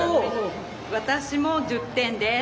私も１０点です。